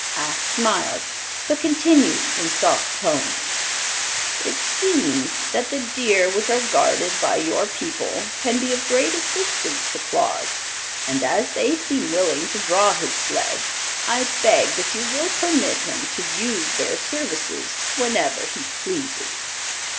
Ak smiled, but continued, in soft tones: "It seems that the deer which are guarded by your people can be of great assistance to Claus, and as they seem willing to draw his sledge I beg that you will permit him to use their services whenever he pleases."